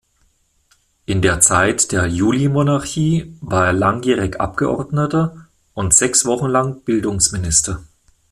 In der Zeit der Julimonarchie war er langjährig Abgeordneter und sechs Wochen lang Bildungsminister.